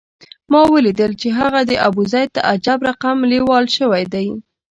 ما ولیدل چې هغه ابوزید ته عجب رقم لېوال شوی دی.